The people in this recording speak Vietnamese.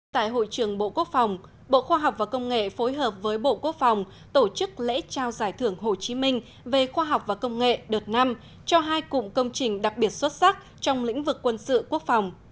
tại hội trường bộ quốc phòng bộ khoa học và công nghệ phối hợp với bộ quốc phòng tổ chức lễ trao giải thưởng hồ chí minh về khoa học và công nghệ đợt năm cho hai cụm công trình đặc biệt xuất sắc trong lĩnh vực quân sự quốc phòng